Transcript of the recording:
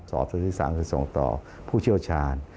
ศที่๓คือทรงต่อผู้เชี่ยวชาญ